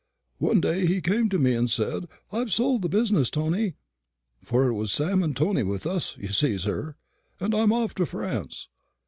One day he came to me and said, 'I've sold the business, Tony,' for it was Sam and Tony with us, you see, sir, 'and I'm off to France.'